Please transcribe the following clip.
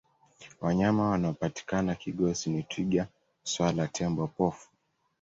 wanyama wanaopatikana kigosi ni twiga swala tembo pofu